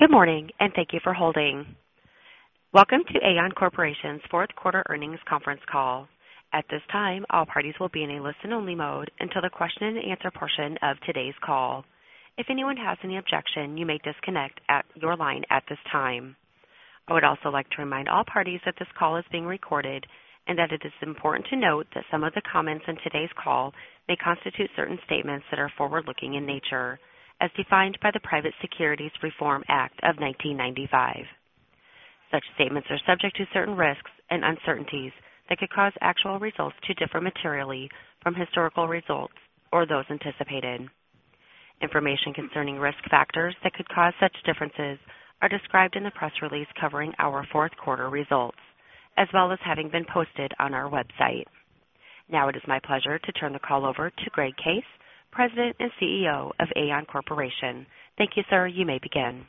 Good morning, and thank you for holding. Welcome to Aon Corporation's fourth quarter earnings conference call. At this time, all parties will be in a listen-only mode until the question and answer portion of today's call. If anyone has any objection, you may disconnect your line at this time. I would also like to remind all parties that this call is being recorded and that it is important to note that some of the comments on today's call may constitute certain statements that are forward-looking in nature, as defined by the Private Securities Litigation Reform Act of 1995. Such statements are subject to certain risks and uncertainties that could cause actual results to differ materially from historical results or those anticipated. Information concerning risk factors that could cause such differences are described in the press release covering our fourth quarter results, as well as having been posted on our website. Now it is my pleasure to turn the call over to Greg Case, President and CEO of Aon Corporation. Thank you, sir. You may begin.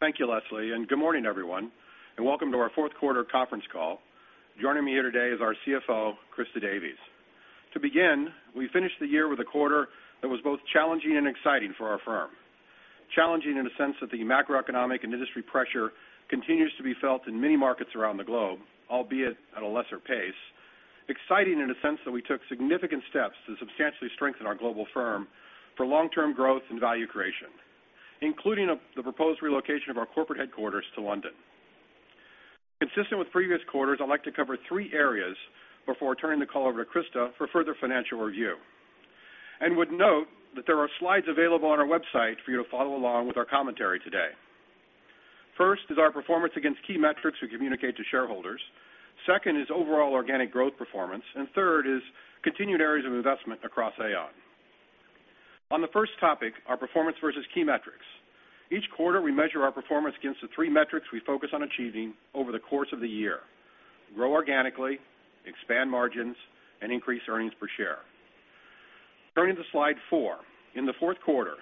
Thank you, Leslie, and good morning, everyone, and welcome to our fourth quarter conference call. Joining me here today is our CFO, Christa Davies. To begin, we finished the year with a quarter that was both challenging and exciting for our firm. Challenging in a sense that the macroeconomic and industry pressure continues to be felt in many markets around the globe, albeit at a lesser pace. Exciting in a sense that we took significant steps to substantially strengthen our global firm for long-term growth and value creation, including the proposed relocation of our corporate headquarters to London. Consistent with previous quarters, I'd like to cover three areas before turning the call over to Christa for further financial review. I would note that there are slides available on our website for you to follow along with our commentary today. First is our performance against key metrics we communicate to shareholders. Second is overall organic growth performance. Third is continued areas of investment across Aon. On the first topic, our performance versus key metrics. Each quarter, we measure our performance against the three metrics we focus on achieving over the course of the year. Grow organically, expand margins, and increase earnings per share. Turning to slide four. In the fourth quarter,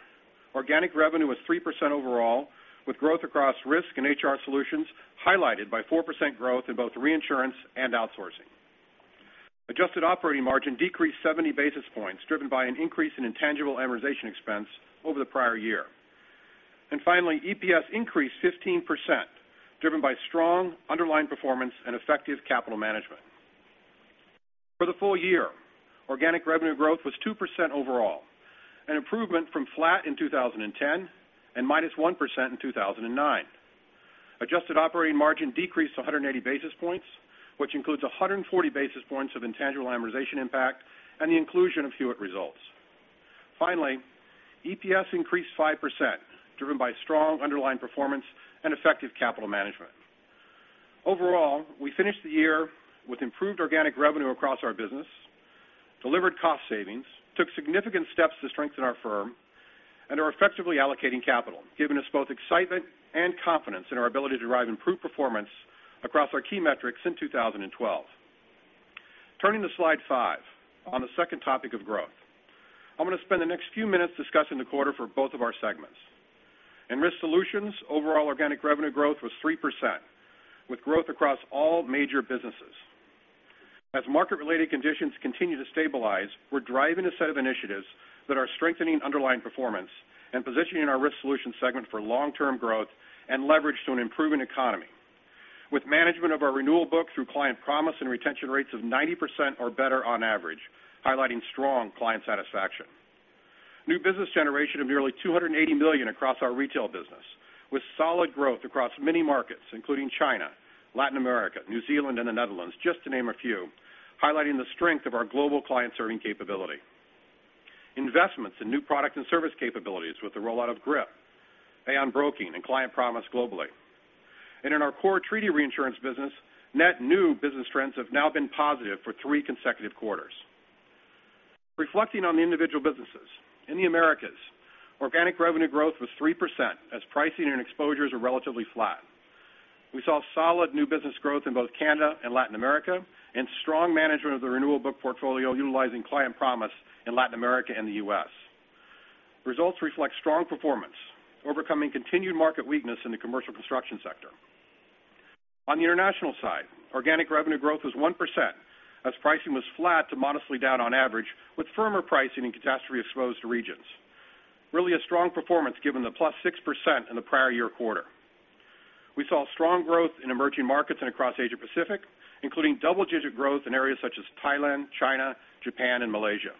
organic revenue was 3% overall, with growth across risk and HR Solutions highlighted by 4% growth in both reinsurance and outsourcing. Adjusted operating margin decreased 70 basis points, driven by an increase in intangible amortization expense over the prior year. Finally, EPS increased 15%, driven by strong underlying performance and effective capital management. For the full year, organic revenue growth was 2% overall, an improvement from flat in 2010 and -1% in 2009. Adjusted operating margin decreased to 180 basis points, which includes 140 basis points of intangible amortization impact and the inclusion of Hewitt results. Finally, EPS increased 5%, driven by strong underlying performance and effective capital management. Overall, we finished the year with improved organic revenue across our business, delivered cost savings, took significant steps to strengthen our firm, and are effectively allocating capital, giving us both excitement and confidence in our ability to drive improved performance across our key metrics in 2012. Turning to slide five, on the second topic of growth. I'm going to spend the next few minutes discussing the quarter for both of our segments. In Risk Solutions, overall organic revenue growth was 3%, with growth across all major businesses. As market-related conditions continue to stabilize, we're driving a set of initiatives that are strengthening underlying performance and positioning our Risk Solutions segment for long-term growth and leverage to an improving economy. With management of our renewal book through Client Promise and retention rates of 90% or better on average, highlighting strong client satisfaction. New business generation of nearly $280 million across our retail business, with solid growth across many markets, including China, Latin America, New Zealand, and the Netherlands, just to name a few, highlighting the strength of our global client-serving capability. Investments in new product and service capabilities with the rollout of GRIP, Aon Broking, and Client Promise globally. In our core treaty reinsurance business, net new business trends have now been positive for three consecutive quarters. Reflecting on the individual businesses, in the Americas, organic revenue growth was 3% as pricing and exposures were relatively flat. We saw solid new business growth in both Canada and Latin America and strong management of the renewal book portfolio utilizing Client Promise in Latin America and the U.S. Results reflect strong performance, overcoming continued market weakness in the commercial construction sector. On the international side, organic revenue growth was 1% as pricing was flat to modestly down on average with firmer pricing in catastrophe-exposed regions. Really a strong performance given the +6% in the prior year quarter. We saw strong growth in emerging markets and across Asia Pacific, including double-digit growth in areas such as Thailand, China, Japan, and Malaysia.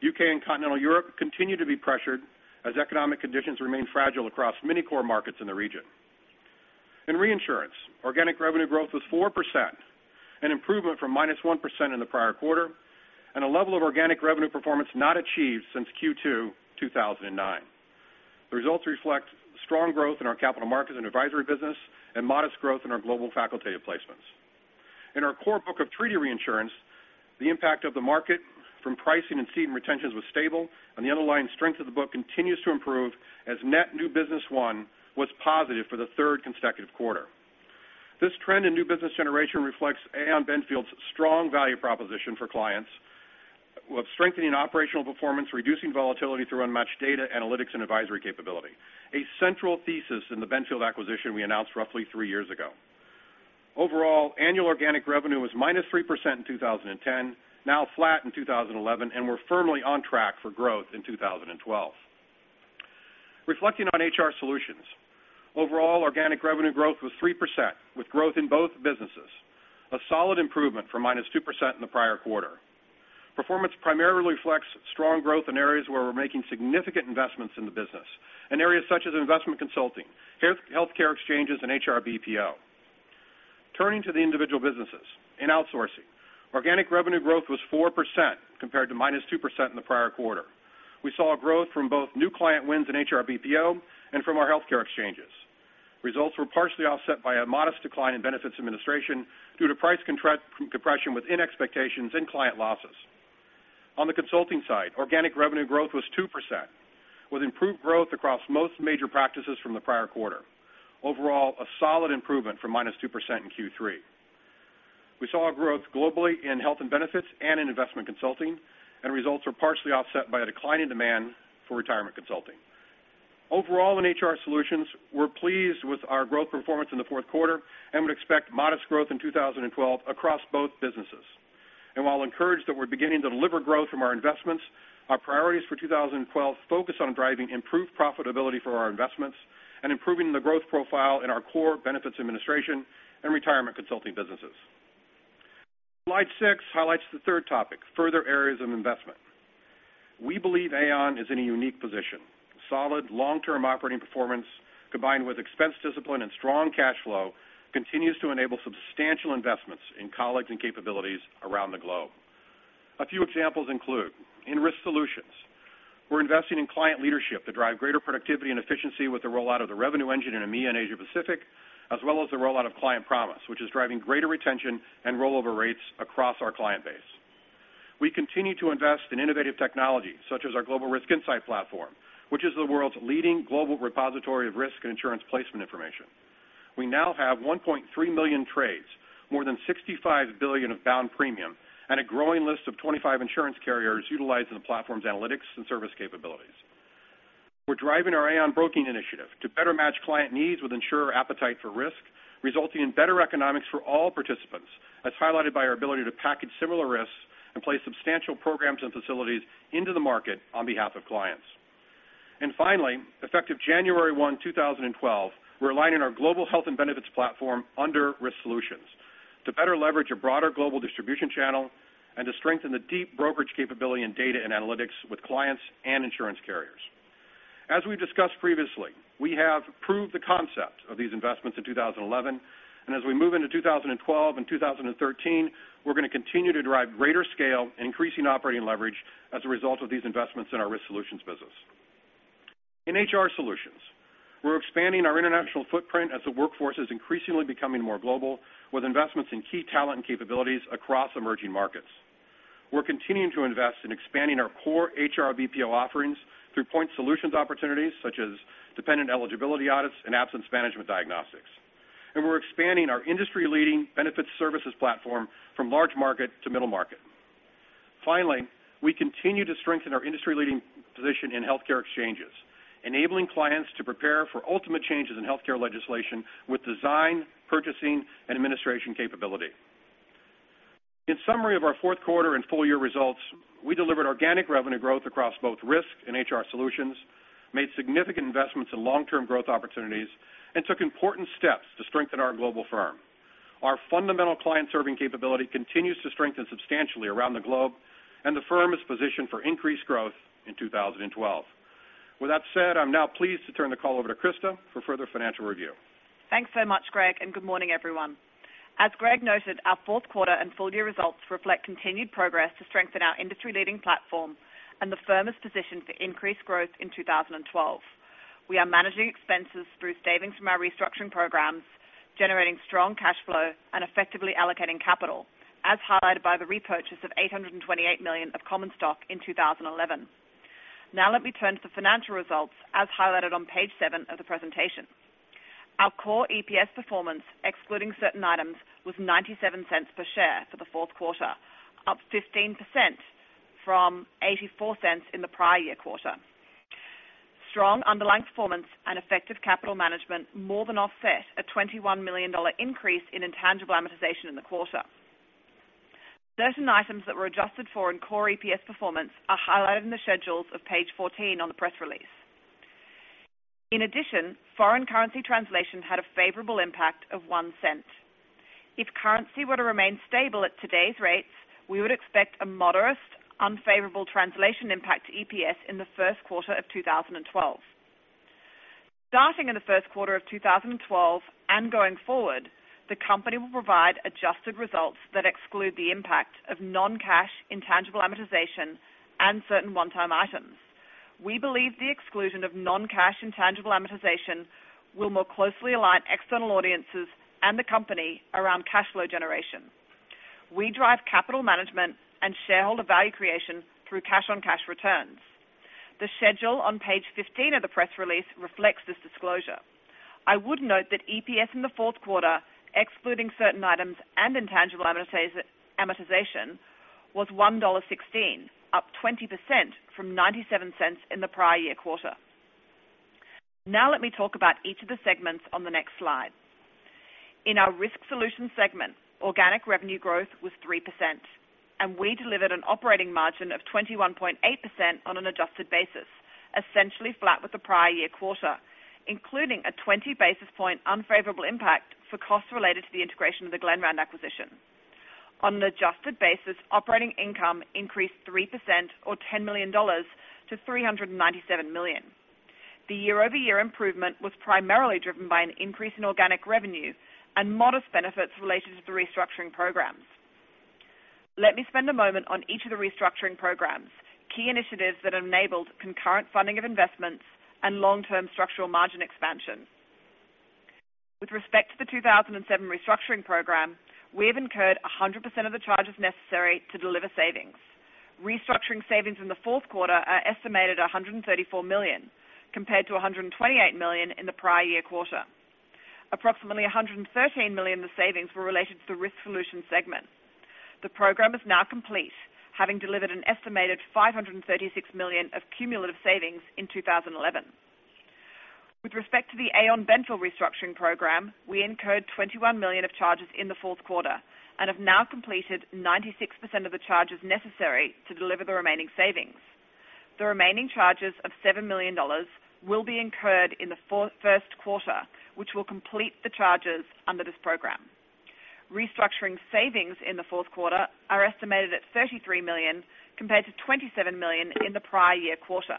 U.K. and Continental Europe continue to be pressured as economic conditions remain fragile across many core markets in the region. In reinsurance, organic revenue growth was 4%, an improvement from -1% in the prior quarter, and a level of organic revenue performance not achieved since Q2 2009. The results reflect strong growth in our capital markets and advisory business and modest growth in our global facultative placements. In our core book of treaty reinsurance, the impact of the market from pricing and cede and retentions was stable, and the underlying strength of the book continues to improve as net new business won was positive for the third consecutive quarter. This trend in new business generation reflects Aon Benfield's strong value proposition for clients of strengthening operational performance, reducing volatility through unmatched data analytics and advisory capability, a central thesis in the Benfield acquisition we announced roughly three years ago. Overall, annual organic revenue was -3% in 2010, now flat in 2011. We're firmly on track for growth in 2012. Reflecting on HR Solutions, overall organic revenue growth was 3%, with growth in both businesses, a solid improvement from -2% in the prior quarter. Performance primarily reflects strong growth in areas where we're making significant investments in the business, in areas such as investment consulting, healthcare exchanges, and HR BPO. Turning to the individual businesses. In outsourcing, organic revenue growth was 4% compared to minus 2% in the prior quarter. We saw a growth from both new client wins in HR BPO and from our healthcare exchanges. Results were partially offset by a modest decline in benefits administration due to price compression within expectations and client losses. On the consulting side, organic revenue growth was 2%, with improved growth across most major practices from the prior quarter. Overall, a solid improvement from minus 2% in Q3. We saw a growth globally in health and benefits and in investment consulting, and results were partially offset by a decline in demand for retirement consulting. Overall, in HR Solutions, we're pleased with our growth performance in the fourth quarter and would expect modest growth in 2012 across both businesses. While encouraged that we're beginning to deliver growth from our investments, our priorities for 2012 focus on driving improved profitability for our investments and improving the growth profile in our core benefits administration and retirement consulting businesses. Slide six highlights the third topic, further areas of investment. We believe Aon is in a unique position. Solid long-term operating performance, combined with expense discipline and strong cash flow, continues to enable substantial investments in colleagues and capabilities around the globe. A few examples include in Risk Solutions, we're investing in client leadership to drive greater productivity and efficiency with the rollout of the revenue engine in EMEA and Asia Pacific, as well as the rollout of Client Promise, which is driving greater retention and rollover rates across our client base. We continue to invest in innovative technology such as our Global Risk Insight Platform, which is the world's leading global repository of risk and insurance placement information. We now have 1.3 million trades, more than $65 billion of bound premium, and a growing list of 25 insurance carriers utilizing the platform's analytics and service capabilities. We're driving our Aon Broking initiative to better match client needs with insurer appetite for risk, resulting in better economics for all participants, as highlighted by our ability to package similar risks and place substantial programs and facilities into the market on behalf of clients. Finally, effective January 1, 2012, we're aligning our global health and benefits platform under Risk Solutions to better leverage a broader global distribution channel and to strengthen the deep brokerage capability in data and analytics with clients and insurance carriers. As we've discussed previously, we have proved the concept of these investments in 2011, as we move into 2012 and 2013, we're going to continue to drive greater scale, increasing operating leverage as a result of these investments in our Risk Solutions business. In HR Solutions, we're expanding our international footprint as the workforce is increasingly becoming more global with investments in key talent and capabilities across emerging markets. We're continuing to invest in expanding our core HR BPO offerings through point solutions opportunities such as dependent eligibility audits and absence management diagnostics. We're expanding our industry-leading benefits services platform from large market to middle market. Finally, we continue to strengthen our industry-leading position in healthcare exchanges, enabling clients to prepare for ultimate changes in healthcare legislation with design, purchasing, and administration capability. In summary of our fourth quarter and full-year results, we delivered organic revenue growth across both Risk and HR Solutions, made significant investments in long-term growth opportunities, and took important steps to strengthen our global firm. Our fundamental client-serving capability continues to strengthen substantially around the globe, and the firm is positioned for increased growth in 2012. With that said, I'm now pleased to turn the call over to Christa for further financial review. Thanks so much, Greg, and good morning, everyone. As Greg noted, our fourth quarter and full-year results reflect continued progress to strengthen our industry-leading platform, and the firm is positioned for increased growth in 2012. We are managing expenses through savings from our restructuring programs, generating strong cash flow, and effectively allocating capital, as highlighted by the repurchase of $828 million of common stock in 2011. Now let me turn to the financial results as highlighted on page seven of the presentation. Our core EPS performance, excluding certain items, was $0.97 per share for the fourth quarter, up 15% from $0.84 in the prior-year quarter. Strong underlying performance and effective capital management more than offset a $21 million increase in intangible amortization in the quarter. Certain items that were adjusted for in core EPS performance are highlighted in the schedules of page 14 on the press release. In addition, foreign currency translation had a favorable impact of $0.01. If currency were to remain stable at today's rates, we would expect a modest unfavorable translation impact to EPS in the first quarter of 2012. Starting in the first quarter of 2012 and going forward, the company will provide adjusted results that exclude the impact of non-cash intangible amortization and certain one-time items. We believe the exclusion of non-cash intangible amortization will more closely align external audiences and the company around cash flow generation. We drive capital management and shareholder value creation through cash-on-cash returns. The schedule on page 15 of the press release reflects this disclosure. I would note that EPS in the fourth quarter, excluding certain items and intangible amortization, was $1.16, up 20% from $0.97 in the prior-year quarter. Now let me talk about each of the segments on the next slide. In our Aon Risk Solutions segment, organic revenue growth was 3%, and we delivered an operating margin of 21.8% on an adjusted basis, essentially flat with the prior-year quarter, including a 20 basis points unfavorable impact for costs related to the integration of the Glenrand acquisition. On an adjusted basis, operating income increased 3% or $10 million to $397 million. The year-over-year improvement was primarily driven by an increase in organic revenue and modest benefits related to the restructuring programs. Let me spend a moment on each of the restructuring programs, key initiatives that have enabled concurrent funding of investments and long-term structural margin expansion. With respect to the 2007 restructuring program, we have incurred 100% of the charges necessary to deliver savings. Restructuring savings in the fourth quarter are estimated at $134 million, compared to $128 million in the prior-year quarter. Approximately $113 million of savings were related to the Risk Solutions segment. The program is now complete, having delivered an estimated $536 million of cumulative savings in 2011. With respect to the Aon Benfield restructuring program, we incurred $21 million of charges in the fourth quarter and have now completed 96% of the charges necessary to deliver the remaining savings. The remaining charges of $7 million will be incurred in the first quarter, which will complete the charges under this program. Restructuring savings in the fourth quarter are estimated at $33 million, compared to $27 million in the prior year quarter.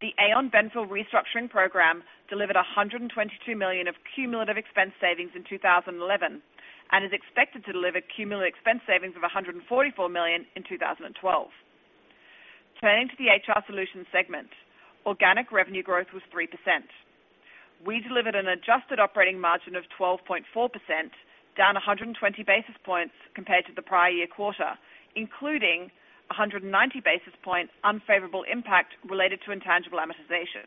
The Aon Benfield restructuring program delivered $122 million of cumulative expense savings in 2011 and is expected to deliver cumulative expense savings of $144 million in 2012. Turning to the HR Solutions segment, organic revenue growth was 3%. We delivered an adjusted operating margin of 12.4%, down 120 basis points compared to the prior year quarter, including 190 basis point unfavorable impact related to intangible amortization.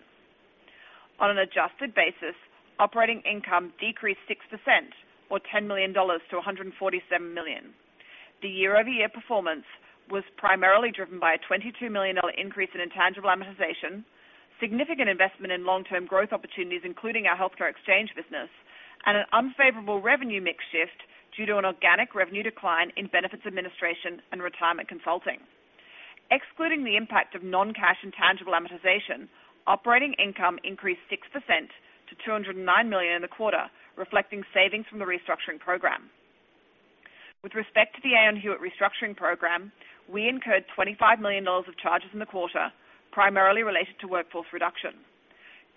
On an adjusted basis, operating income decreased 6% or $10 million to $147 million. The year-over-year performance was primarily driven by a $22 million increase in intangible amortization, significant investment in long-term growth opportunities, including our healthcare exchange business, and an unfavorable revenue mix shift due to an organic revenue decline in benefits administration and retirement consulting. Excluding the impact of non-cash intangible amortization, operating income increased 6% to $209 million in the quarter, reflecting savings from the restructuring program. With respect to the Aon Hewitt restructuring program, we incurred $25 million of charges in the quarter, primarily related to workforce reduction.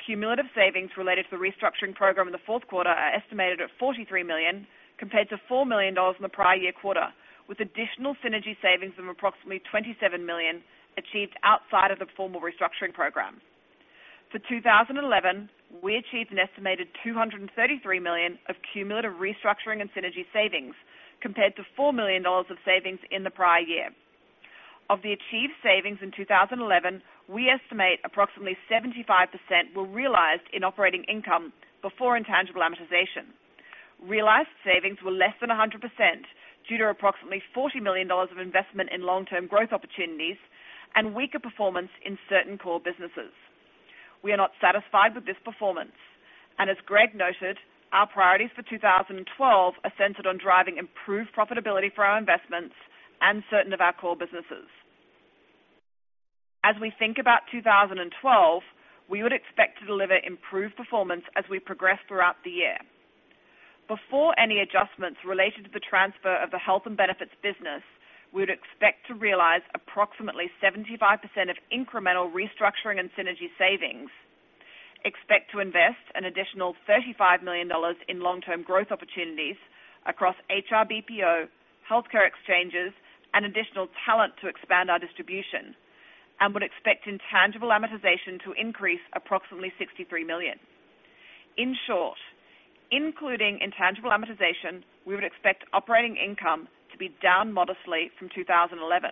Cumulative savings related to the restructuring program in the fourth quarter are estimated at $43 million, compared to $4 million in the prior year quarter, with additional synergy savings of approximately $27 million achieved outside of the formal restructuring program. For 2011, we achieved an estimated $233 million of cumulative restructuring and synergy savings, compared to $4 million of savings in the prior year. Of the achieved savings in 2011, we estimate approximately 75% were realized in operating income before intangible amortization. Realized savings were less than 100% due to approximately $40 million of investment in long-term growth opportunities and weaker performance in certain core businesses. We are not satisfied with this performance, and as Greg noted, our priorities for 2012 are centered on driving improved profitability for our investments and certain of our core businesses. As we think about 2012, we would expect to deliver improved performance as we progress throughout the year. Before any adjustments related to the transfer of the health and benefits business, we would expect to realize approximately 75% of incremental restructuring and synergy savings, expect to invest an additional $35 million in long-term growth opportunities across HR BPO, healthcare exchanges, and additional talent to expand our distribution, and would expect intangible amortization to increase approximately $63 million. In short, including intangible amortization, we would expect operating income to be down modestly from 2011.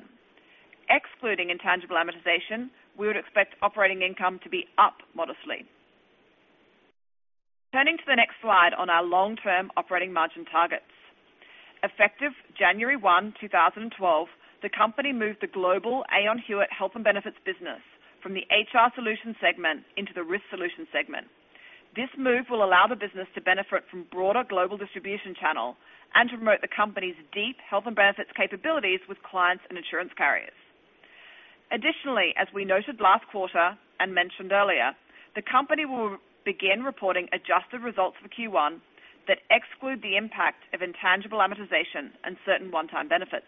Excluding intangible amortization, we would expect operating income to be up modestly. Turning to the next slide on our long-term operating margin targets. Effective January 1, 2012, the company moved the global Aon Hewitt health and benefits business from the HR Solutions segment into the Risk Solutions segment. This move will allow the business to benefit from broader global distribution channel and to promote the company's deep health and benefits capabilities with clients and insurance carriers. Additionally, as we noted last quarter and mentioned earlier, the company will begin reporting adjusted results for Q1 that exclude the impact of intangible amortization and certain one-time benefits.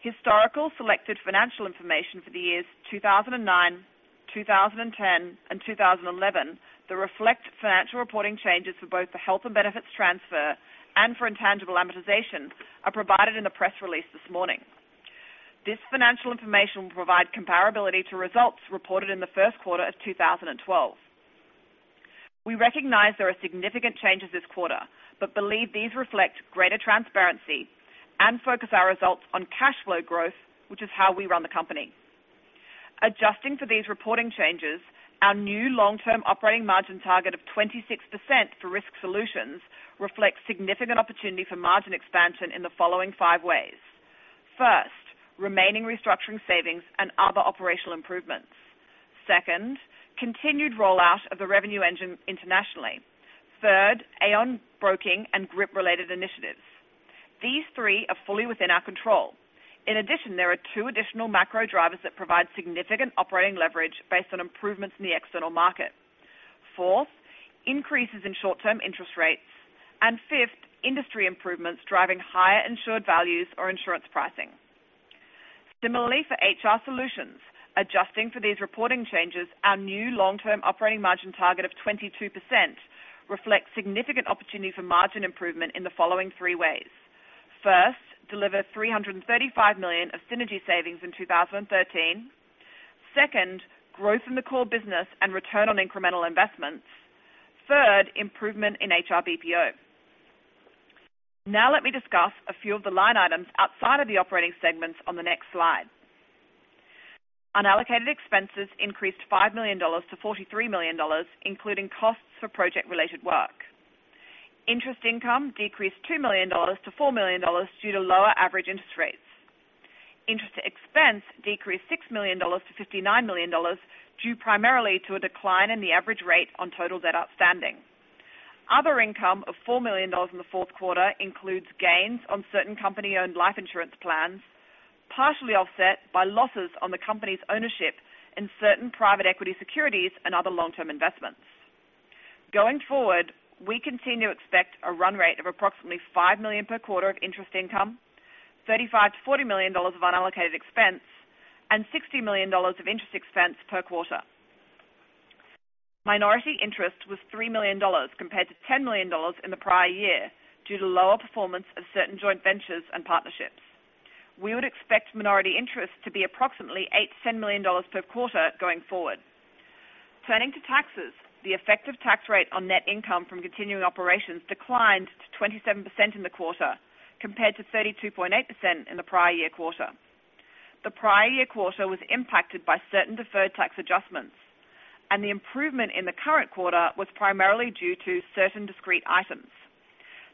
Historical selected financial information for the years 2009, 2010, and 2011 that reflect financial reporting changes for both the health and benefits transfer and for intangible amortization are provided in the press release this morning. This financial information will provide comparability to results reported in the first quarter of 2012. We recognize there are significant changes this quarter but believe these reflect greater transparency and focus our results on cash flow growth, which is how we run the company. Adjusting for these reporting changes, our new long-term operating margin target of 26% for Aon Risk Solutions reflects significant opportunity for margin expansion in the following five ways. First, remaining restructuring savings and other operational improvements. Second, continued rollout of the revenue engine internationally. Third, Aon Broking and group-related initiatives. These three are fully within our control. In addition, there are two additional macro drivers that provide significant operating leverage based on improvements in the external market. Fourth, increases in short-term interest rates, and fifth, industry improvements driving higher insured values or insurance pricing. Similarly, for HR Solutions, adjusting for these reporting changes, our new long-term operating margin target of 22% reflects significant opportunity for margin improvement in the following three ways. First, deliver $335 million of synergy savings in 2013. Second, growth in the core business and return on incremental investments. Third, improvement in HR BPO. Now let me discuss a few of the line items outside of the operating segments on the next slide. Unallocated expenses increased $5 million to $43 million, including costs for project-related work. Interest income decreased $2 million to $4 million due to lower average interest rates. Interest expense decreased $6 million to $59 million, due primarily to a decline in the average rate on total debt outstanding. Other income of $4 million in the fourth quarter includes gains on certain company-owned life insurance plans, partially offset by losses on the company's ownership in certain private equity securities and other long-term investments. Going forward, we continue to expect a run rate of approximately $5 million per quarter of interest income, $35 million-$40 million of unallocated expense, and $60 million of interest expense per quarter. Minority interest was $3 million compared to $10 million in the prior year, due to lower performance of certain joint ventures and partnerships. We would expect minority interest to be approximately $8 million-$10 million per quarter going forward. Turning to taxes, the effective tax rate on net income from continuing operations declined to 27% in the quarter, compared to 32.8% in the prior year quarter. The prior year quarter was impacted by certain deferred tax adjustments, and the improvement in the current quarter was primarily due to certain discrete items.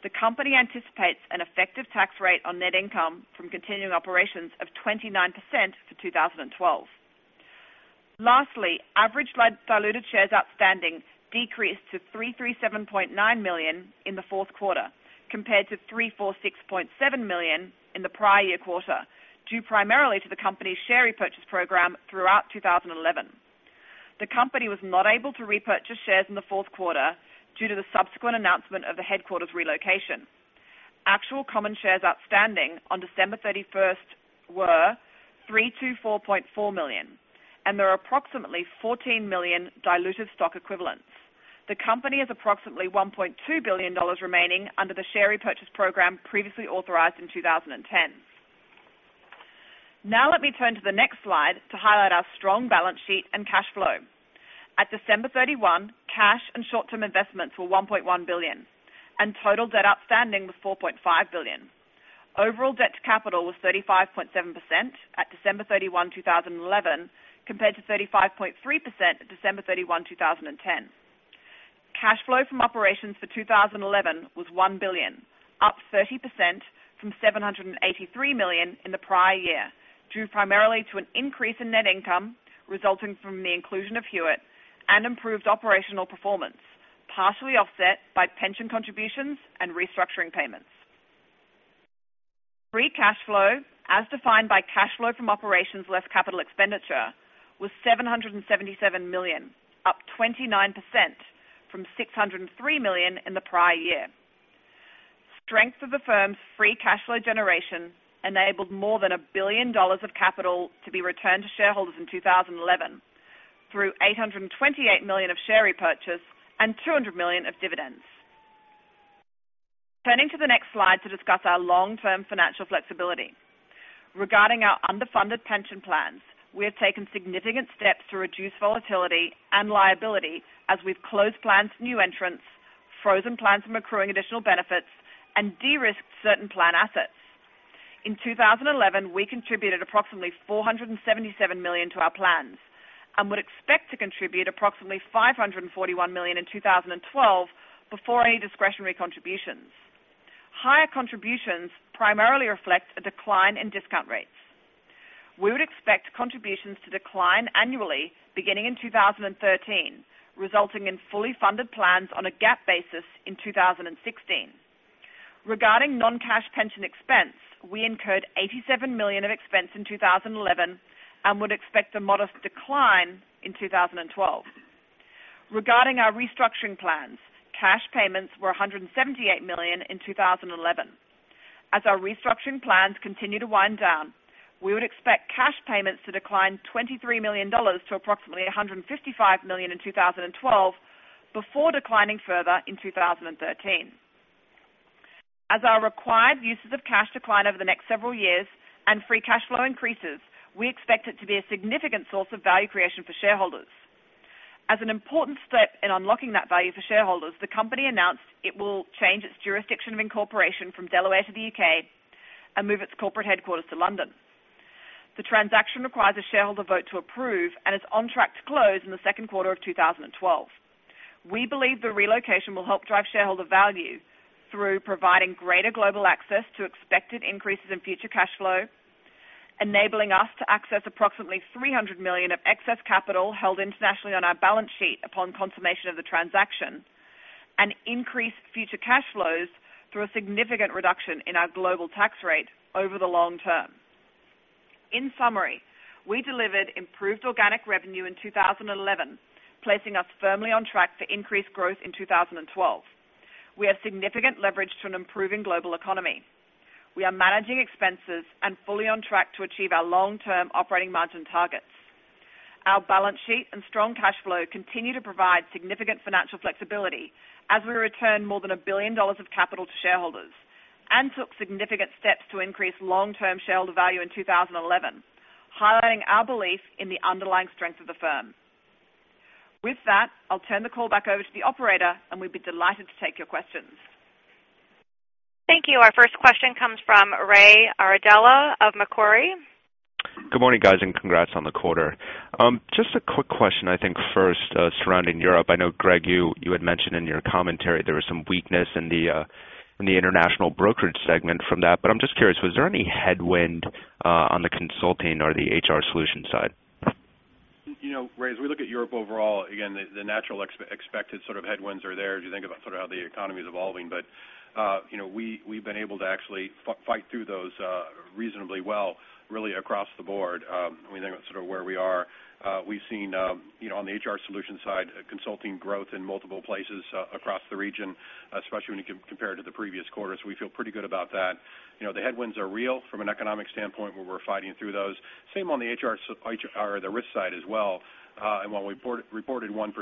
The company anticipates an effective tax rate on net income from continuing operations of 29% for 2012. Lastly, average diluted shares outstanding decreased to 337.9 million in the fourth quarter compared to 346.7 million in the prior year quarter, due primarily to the company's share repurchase program throughout 2011. The company was not able to repurchase shares in the fourth quarter due to the subsequent announcement of the headquarters relocation. Actual common shares outstanding on December 31st were $324.4 million, and there are approximately 14 million diluted stock equivalents. The company has approximately $1.2 billion remaining under the share repurchase program previously authorized in 2010. Now let me turn to the next slide to highlight our strong balance sheet and cash flow. At December 31, cash and short-term investments were $1.1 billion, and total debt outstanding was $4.5 billion. Overall debt to capital was 35.7% at December 31, 2011, compared to 35.3% at December 31, 2010. Cash flow from operations for 2011 was $1 billion, up 30% from $783 million in the prior year, due primarily to an increase in net income resulting from the inclusion of Hewitt and improved operational performance, partially offset by pension contributions and restructuring payments. Free cash flow, as defined by cash flow from operations less capital expenditure, was $777 million, up 29% from $603 million in the prior year. Strength of the firm's free cash flow generation enabled more than $1 billion of capital to be returned to shareholders in 2011 through $828 million of share repurchase and $200 million of dividends. Turning to the next slide to discuss our long-term financial flexibility. Regarding our underfunded pension plans, we have taken significant steps to reduce volatility and liability as we've closed plans to new entrants, frozen plans from accruing additional benefits, and de-risked certain plan assets. In 2011, we contributed approximately $477 million to our plans and would expect to contribute approximately $541 million in 2012 before any discretionary contributions. Higher contributions primarily reflect a decline in discount rates. We would expect contributions to decline annually beginning in 2013, resulting in fully funded plans on a GAAP basis in 2016. Regarding non-cash pension expense, we incurred $87 million of expense in 2011 and would expect a modest decline in 2012. Regarding our restructuring plans, cash payments were $178 million in 2011. As our restructuring plans continue to wind down, we would expect cash payments to decline $23 million to approximately $155 million in 2012 before declining further in 2013. As our required uses of cash decline over the next several years and free cash flow increases, we expect it to be a significant source of value creation for shareholders. As an important step in unlocking that value for shareholders, the company announced it will change its jurisdiction of incorporation from Delaware to the U.K. and move its corporate headquarters to London. The transaction requires a shareholder vote to approve and is on track to close in the second quarter of 2012. We believe the relocation will help drive shareholder value through providing greater global access to expected increases in future cash flow, enabling us to access approximately $300 million of excess capital held internationally on our balance sheet upon consummation of the transaction, and increase future cash flows through a significant reduction in our global tax rate over the long term. In summary, we delivered improved organic revenue in 2011, placing us firmly on track for increased growth in 2012. We have significant leverage to an improving global economy. We are managing expenses and fully on track to achieve our long-term operating margin targets. Our balance sheet and strong cash flow continue to provide significant financial flexibility as we return more than $1 billion of capital to shareholders and took significant steps to increase long-term shareholder value in 2011, highlighting our belief in the underlying strength of the firm. With that, I'll turn the call back over to the operator, and we'd be delighted to take your questions. Thank you. Our first question comes from Ray Ardella of Macquarie. Good morning, guys. Congrats on the quarter. Just a quick question, I think first, surrounding Europe. I know, Greg, you had mentioned in your commentary there was some weakness in the international brokerage segment from that. I'm just curious, was there any headwind on the consulting or the HR Solutions side? Ray, as we look at Europe overall, again, the natural expected sort of headwinds are there as you think about how the economy is evolving. We've been able to actually fight through those reasonably well, really across the board when you think about where we are. We've seen, on the HR Solutions side, consulting growth in multiple places across the region, especially when you compare to the previous quarter. We feel pretty good about that. The headwinds are real from an economic standpoint, where we're fighting through those. Same on the risk side as well. While we reported 1%,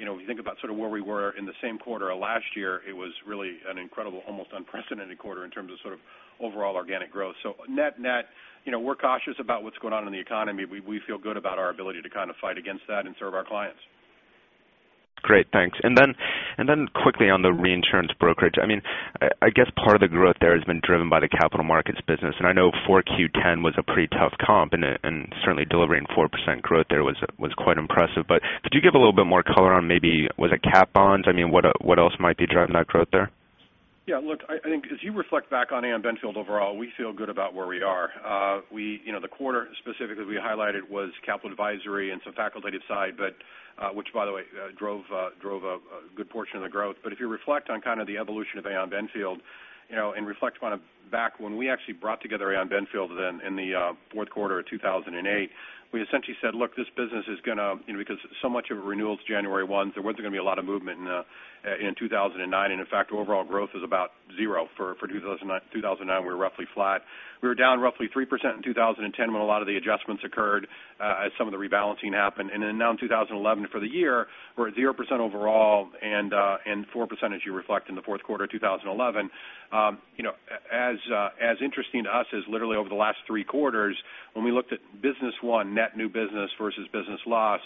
when you think about where we were in the same quarter of last year, it was really an incredible, almost unprecedented quarter in terms of overall organic growth. Net-net, we're cautious about what's going on in the economy. We feel good about our ability to kind of fight against that and serve our clients. Thanks. Quickly on the reinsurance brokerage, I guess part of the growth there has been driven by the capital markets business, I know 4Q10 was a pretty tough comp, and certainly delivering 4% growth there was quite impressive. Could you give a little bit more color on maybe, was it cat bonds? What else might be driving that growth there? Yeah, look, I think as you reflect back on Aon Benfield overall, we feel good about where we are. The quarter specifically we highlighted was capital advisory and some facultative side, which by the way, drove a good portion of the growth. If you reflect on kind of the evolution of Aon Benfield, reflect back when we actually brought together Aon Benfield in the fourth quarter of 2008, we essentially said, look, this business is going to because so much of it renewals January 1, there wasn't going to be a lot of movement in 2009. In fact, overall growth was about 0 for 2009. We were roughly flat. We were down roughly 3% in 2010 when a lot of the adjustments occurred as some of the rebalancing happened. Now in 2011 for the year, we're at 0% overall and 4% as you reflect in the fourth quarter of 2011. As interesting to us as literally over the last three quarters, when we looked at business won, net new business versus business loss,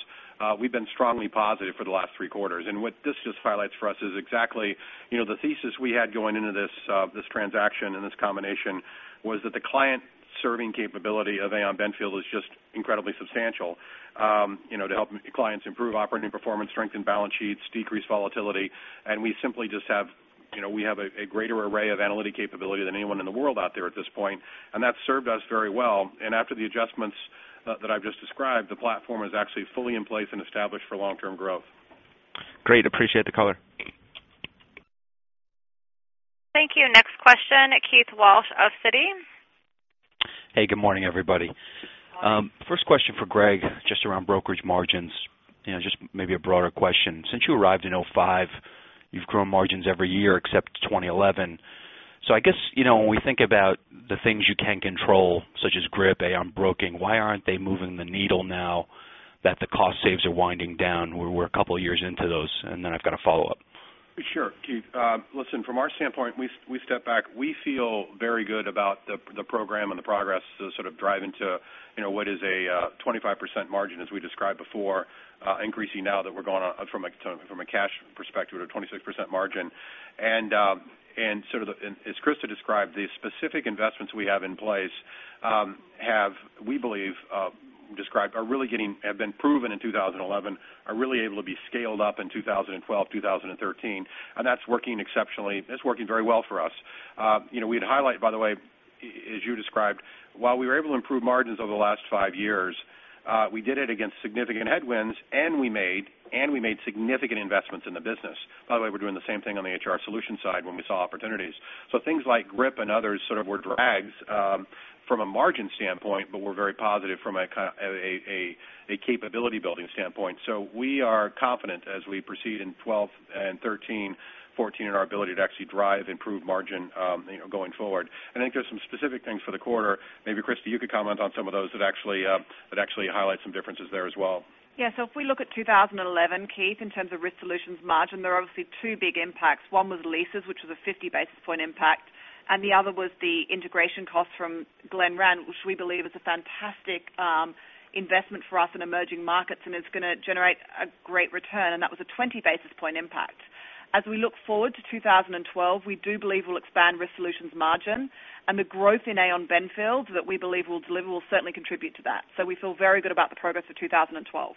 we've been strongly positive for the last three quarters. What this just highlights for us is exactly the thesis we had going into this transaction and this combination was that the client-serving capability of Aon Benfield is just incredibly substantial to help clients improve operating performance, strengthen balance sheets, decrease volatility. We simply just have a greater array of analytic capability than anyone in the world out there at this point, and that's served us very well. After the adjustments that I've just described, the platform is actually fully in place and established for long-term growth. Great. Appreciate the color. Thank you. Next question, Keith Walsh of Citi. Hey, good morning, everybody. First question for Greg, just around brokerage margins. Just maybe a broader question. Since you arrived in 2005, you've grown margins every year except 2011. I guess, when we think about the things you can control, such as GRIP, Aon Broking, why aren't they moving the needle now that the cost saves are winding down? We're a couple of years into those. Then I've got a follow-up. Sure, Keith. Listen, from our standpoint, we step back. We feel very good about the program and the progress sort of driving to what is a 25% margin, as we described before, increasing now that we're going on from a cash perspective to 26% margin. As Christa described, the specific investments we have in place have, we believe, have been proven in 2011, are really able to be scaled up in 2012, 2013, and that's working exceptionally. That's working very well for us. We'd highlight, by the way, as you described, while we were able to improve margins over the last five years, we did it against significant headwinds, and we made significant investments in the business. By the way, we're doing the same thing on the HR Solutions side when we saw opportunities. Things like GRIP and others sort of were drags from a margin standpoint, but were very positive from a capability-building standpoint. We are confident as we proceed in 2012 and 2013, 2014, in our ability to actually drive improved margin going forward. I think there's some specific things for the quarter. Maybe Christa, you could comment on some of those that actually highlight some differences there as well. If we look at 2011, Keith, in terms of Risk Solutions margin, there are obviously two big impacts. One was leases, which was a 50 basis point impact, and the other was the integration cost from Glenrand, which we believe is a fantastic investment for us in emerging markets and is going to generate a great return, and that was a 20 basis point impact. We look forward to 2012, we do believe we'll expand Risk Solutions' margin, and the growth in Aon Benfield that we believe we'll deliver will certainly contribute to that. We feel very good about the progress of 2012.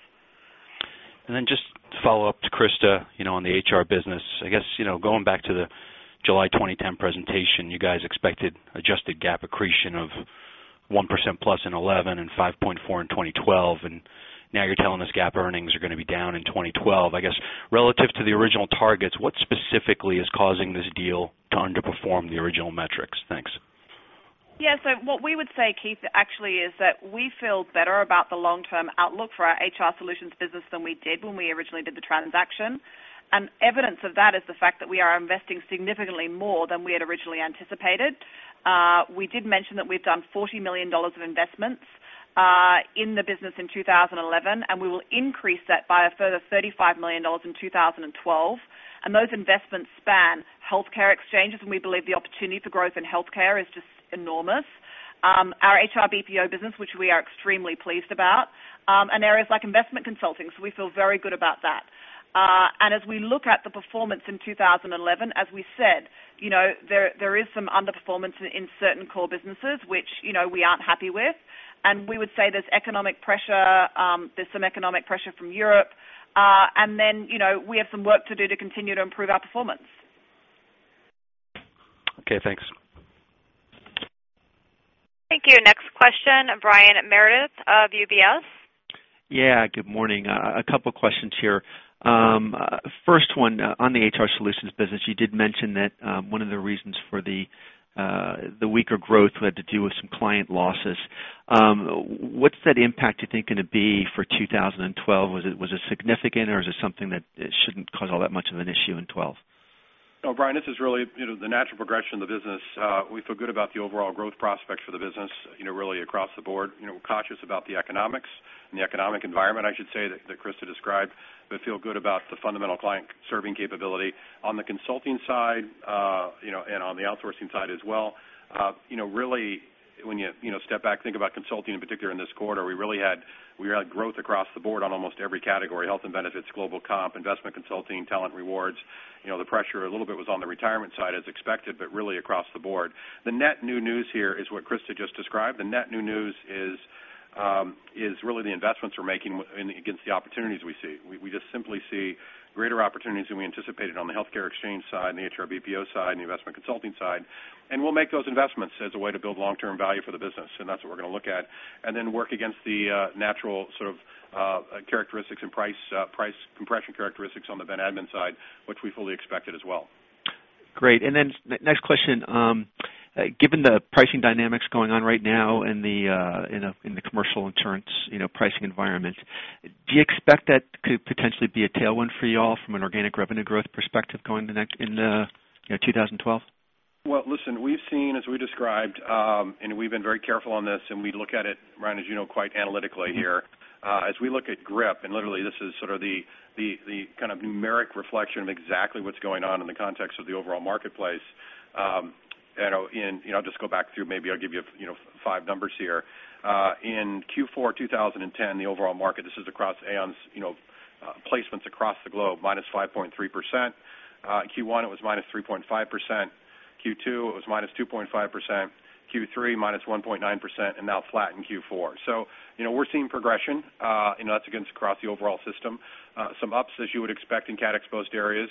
Just to follow up to Christa on the HR Solutions business, I guess, going back to the July 2010 presentation, you guys expected adjusted GAAP accretion of 1% plus in 2011 and 5.4% in 2012, and now you're telling us GAAP earnings are going to be down in 2012. I guess relative to the original targets, what specifically is causing this deal to underperform the original metrics? Thanks. What we would say, Keith, actually, is that we feel better about the long-term outlook for our HR Solutions business than we did when we originally did the transaction. Evidence of that is the fact that we are investing significantly more than we had originally anticipated. We did mention that we've done $40 million of investments in the business in 2011, and we will increase that by a further $35 million in 2012. Those investments span healthcare exchanges, and we believe the opportunity for growth in healthcare is just enormous. Our HR BPO business, which we are extremely pleased about, and areas like investment consulting. We feel very good about that. As we look at the performance in 2011, as we said, there is some underperformance in certain core businesses which we aren't happy with. We would say there's some economic pressure from Europe. We have some work to do to continue to improve our performance. Okay, thanks. Thank you. Next question, Brian Meredith of UBS. Yeah. Good morning. A couple questions here. First one, on the HR Solutions business, you did mention that one of the reasons for the weaker growth had to do with some client losses. What's that impact you think going to be for 2012? Was it significant or is it something that shouldn't cause all that much of an issue in 2012? No, Brian, this is really the natural progression of the business. We feel good about the overall growth prospects for the business really across the board. We're cautious about the economics and the economic environment, I should say, that Christa described, but feel good about the fundamental client-serving capability. On the consulting side, and on the outsourcing side as well, really when you step back, think about consulting in particular in this quarter, we really had growth across the board on almost every category, health and benefits, global comp, investment consulting, talent rewards. The pressure a little bit was on the retirement side as expected, but really across the board. The net new news here is what Christa just described. The net new news is really the investments we're making against the opportunities we see. We just simply see greater opportunities than we anticipated on the healthcare exchange side and the HR BPO side and the investment consulting side. We'll make those investments as a way to build long-term value for the business. That's what we're going to look at. Then work against the natural sort of characteristics and price compression characteristics on the Ben admin side, which we fully expected as well. Great. Next question. Given the pricing dynamics going on right now in the commercial insurance pricing environment, do you expect that to potentially be a tailwind for you all from an organic revenue growth perspective going to next in 2012? Well, listen, we've seen, as we described, and we've been very careful on this, and we look at it, Brian, as you know, quite analytically here. As we look at GRIP, and literally this is sort of the kind of numeric reflection of exactly what's going on in the context of the overall marketplace. I'll just go back through, maybe I'll give you five numbers here. In Q4 2010, the overall market, this is across Aon's placements across the globe, -5.3%. Q1, it was -3.5%. Q2, it was -2.5%. Q3, -1.9%, and now flat in Q4. We're seeing progression. That's against across the overall system. Some ups as you would expect in cat exposed areas.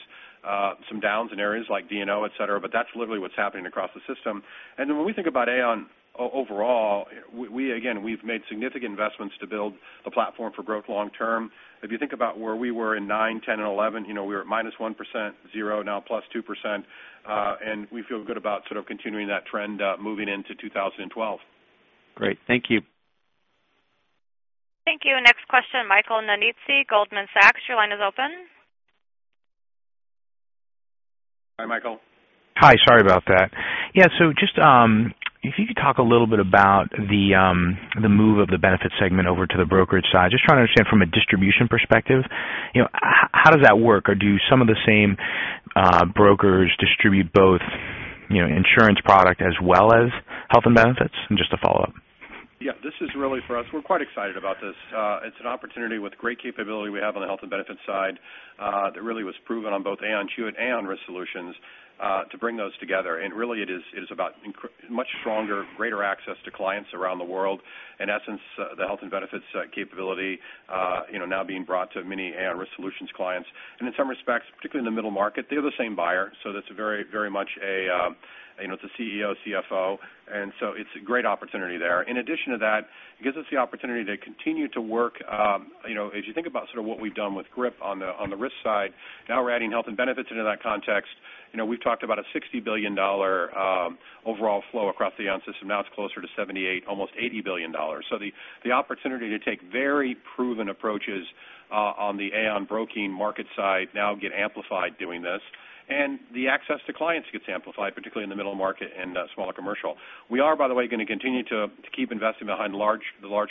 Some downs in areas like D&O, et cetera, but that's literally what's happening across the system. When we think about Aon overall, we've made significant investments to build a platform for growth long term. If you think about where we were in 2009, 2010 and 2011, we were at minus 1%, zero, now plus 2%. We feel good about sort of continuing that trend moving into 2012. Great. Thank you. Thank you. Next question, Michael Nannizzi, Goldman Sachs, your line is open. Hi, Michael. Hi. Sorry about that. Just if you could talk a little bit about the move of the benefit segment over to the brokerage side. Just trying to understand from a distribution perspective, how does that work? Or do some of the same brokers distribute both insurance product as well as health and benefits? Just a follow-up. This is really for us, we're quite excited about this. It's an opportunity with great capability we have on the health and benefits side, that really was proven on both Aon Hewitt and Aon Risk Solutions, to bring those together. Really it is about much stronger, greater access to clients around the world. In essence, the health and benefits capability now being brought to many Aon Risk Solutions clients. In some respects, particularly in the middle market, they have the same buyer. That's very much a CEO, CFO. It's a great opportunity there. In addition to that, it gives us the opportunity to continue to work. If you think about sort of what we've done with GRIP on the risk side, now we're adding health and benefits into that context. We've talked about a $60 billion overall flow across the Aon system. Now it's closer to $78, almost $80 billion. The opportunity to take very proven approaches on the Aon broking market side now get amplified doing this. The access to clients gets amplified, particularly in the middle market and smaller commercial. We are, by the way, going to continue to keep investing behind the large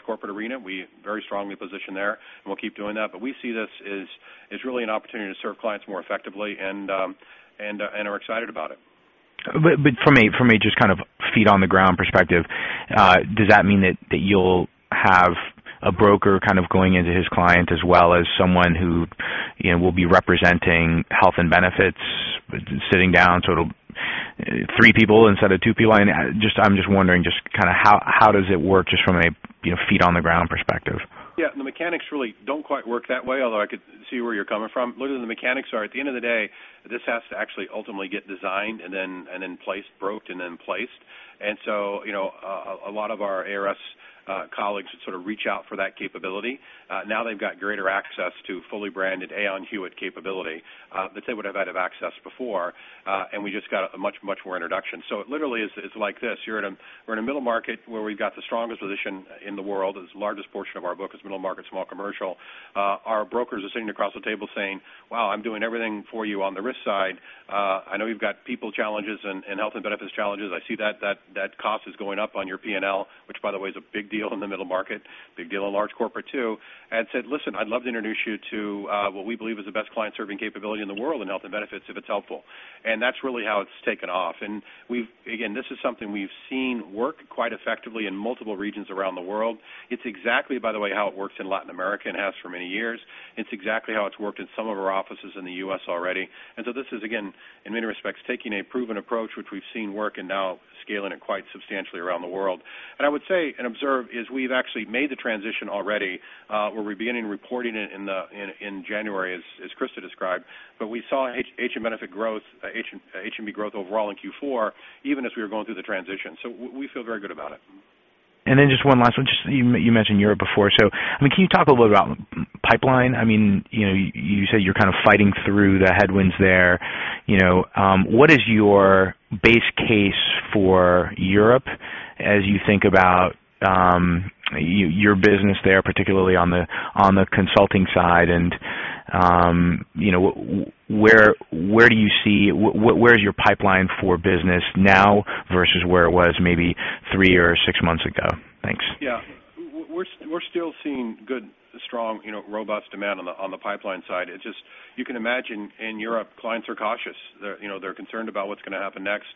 corporate arena. We very strongly position there, and we'll keep doing that. We see this as really an opportunity to serve clients more effectively and are excited about it. From a just kind of feet on the ground perspective, does that mean that you'll have a broker kind of going into his client as well as someone who will be representing health and benefits sitting down, so it'll be three people instead of two people? I'm just wondering just kind of how does it work just from a feet on the ground perspective? Yeah. The mechanics really don't quite work that way, although I could see where you're coming from. Literally, the mechanics are, at the end of the day, this has to actually ultimately get designed and then placed, broked and then placed. A lot of our ARS colleagues sort of reach out for that capability. Now they've got greater access to fully branded Aon Hewitt capability than they would have had access before. We just got a much more introduction. It literally is like this, we're in a middle market where we've got the strongest position in the world. The largest portion of our book is middle market, small commercial. Our brokers are sitting across the table saying, "Wow, I'm doing everything for you on the risk side. I know you've got people challenges and health and benefits challenges. I see that cost is going up on your P&L," which by the way is a big deal in the middle market, big deal in large corporate too, and said, "Listen, I'd love to introduce you to what we believe is the best client-serving capability in the world in health and benefits if it's helpful." That's really how it's taken off. Again, this is something we've seen work quite effectively in multiple regions around the world. It's exactly, by the way, how it works in Latin America and has for many years. It's exactly how it's worked in some of our offices in the U.S. already. This is, again, in many respects, taking a proven approach, which we've seen work and now scaling it quite substantially around the world. I would say and observe is we've actually made the transition already, where we're beginning reporting it in January as Christa described, but we saw H&B growth overall in Q4, even as we were going through the transition. We feel very good about it. Just one last one. You mentioned Europe before, can you talk a little bit about pipeline? You said you're kind of fighting through the headwinds there. What is your base case for Europe as you think about your business there, particularly on the consulting side, and where is your pipeline for business now versus where it was maybe three or six months ago? Thanks. Yeah. We're still seeing good, strong, robust demand on the pipeline side. It's just, you can imagine in Europe, clients are cautious. They're concerned about what's going to happen next.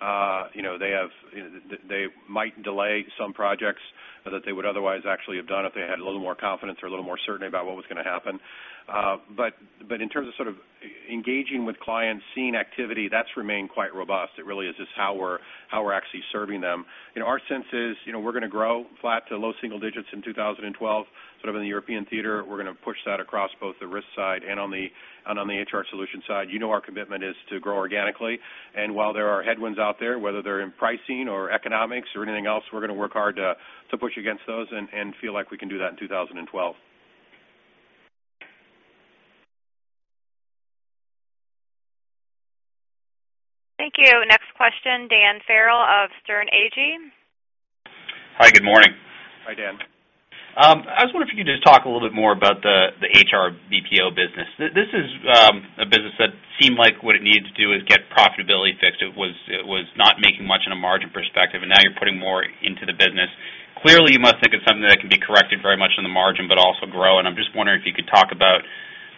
They might delay some projects that they would otherwise actually have done if they had a little more confidence or a little more certainty about what was going to happen. In terms of sort of engaging with clients, seeing activity, that's remained quite robust. It really is just how we're actually serving them. Our sense is we're going to grow flat to low single digits in 2012, sort of in the European theater. We're going to push that across both the risk side and on the HR Solutions side. You know our commitment is to grow organically, while there are headwinds out there, whether they're in pricing or economics or anything else, we're going to work hard to push against those and feel like we can do that in 2012. Thank you. Next question, Dan Farrell of Sterne Agee. Hi, good morning. Hi, Dan. I was wondering if you could just talk a little bit more about the HR BPO business. This is a business that seemed like what it needed to do is get profitability fixed. It was not making much in a margin perspective. Now you're putting more into the business. Clearly, you must think it's something that can be corrected very much on the margin, but also grow. I'm just wondering if you could talk about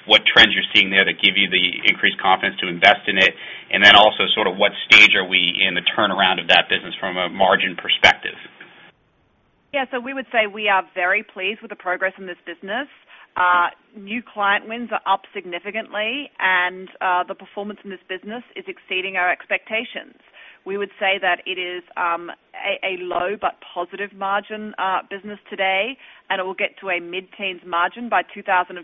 what trends you're seeing there that give you the increased confidence to invest in it, and then also sort of what stage are we in the turnaround of that business from a margin perspective? Yeah. We would say we are very pleased with the progress in this business. New client wins are up significantly. The performance in this business is exceeding our expectations. We would say that it is a low but positive margin business today. It will get to a mid-teens margin by 2015,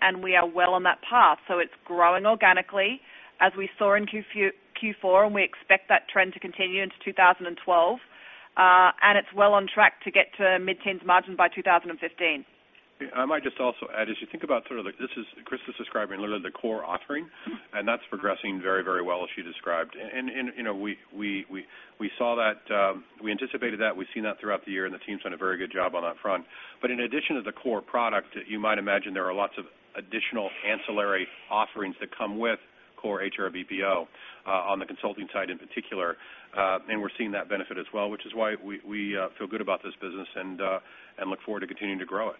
and we are well on that path. It's growing organically as we saw in Q4, and we expect that trend to continue into 2012. It's well on track to get to mid-teens margin by 2015. I might just also add, as you think about sort of like this is Christa's describing literally the core offering. That's progressing very well as she described. We anticipated that, we've seen that throughout the year, and the team's done a very good job on that front. In addition to the core product, you might imagine there are lots of additional ancillary offerings that come with core HR BPO, on the consulting side in particular. We're seeing that benefit as well, which is why we feel good about this business and look forward to continuing to grow it.